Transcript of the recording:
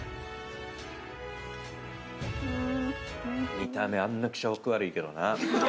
見た目あんな気色悪いけどな。